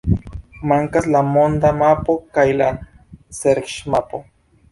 Mankas la monda mapo kaj la serĉmapo.